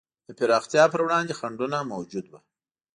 د پراختیا پر وړاندې خنډونه موجود وو.